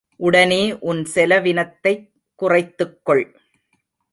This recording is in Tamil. உடனே உன் செலவினத்தைக் குறைத்துக்கொள்.